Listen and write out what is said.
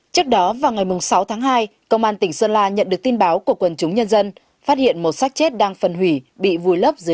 trước đó vào ngày sáu tháng hai công an tỉnh sơn la nhận được tin báo của quần chúng nhân dân phát hiện một sát chết đang phân hủy bị vùi lấp dưới